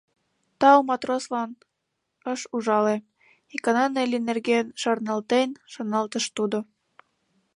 «Тау матрослан, ыш ужале», — икана Нелли нерген шарналтен, шоналтыш тудо.